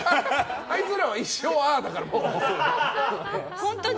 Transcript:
あいつらは一生ああだから。